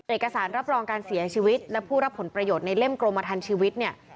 เอกสารรับรองการเสียชีวิตและผู้รับผลประโยชน์ในเล่มกรมทันชีวิตเนี่ย